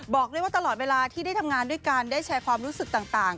บอกด้วยว่าตลอดเวลาที่ได้ทำงานด้วยกันได้แชร์ความรู้สึกต่าง